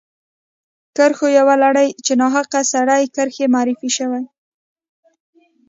کرښو یوه لړۍ چې ناحقه سرې کرښې معرفي شوې.